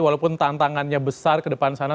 walaupun tantangannya besar ke depan sana